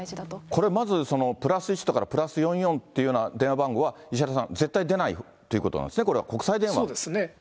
これまず、＋１とか＋４４っていうような電話番号は、石原さん、絶対出ないということなんでそうですね。